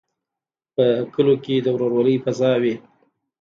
په کلیو کې د ورورولۍ فضا وي.